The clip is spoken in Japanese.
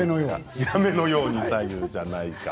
火鍋のように左右じゃないか。